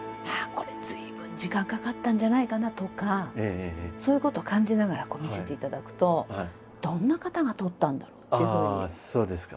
これ随分時間かかったんじゃないかなとかそういうことを感じながら見せていただくとどんな方が撮ったんだろうっていうふうに興味があって。